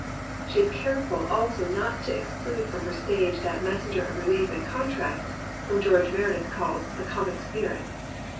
She is careful also not to exclude from her stage that messenger of rehef and contrast whom George Meredith calls "the comic spirit."